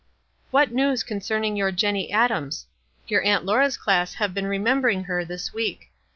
"What news concerning your Jenny Adams? Your Aunt Laura's class have been remember ing her this week.